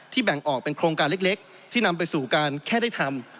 แบ่งออกเป็นโครงการเล็กที่นำไปสู่การแค่ได้ทำ